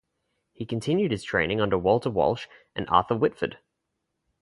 He continued his training under Walter Walsh and Arthur Whitford.